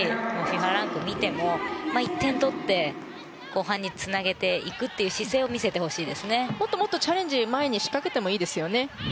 ランクを見ても１点取って後半につなげていくという姿勢をもっともっとチャレンジして前に仕掛けてもいいですよね。